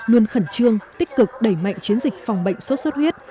luôn khẩn trương tích cực đẩy mạnh chiến dịch phòng bệnh sốt xuất huyết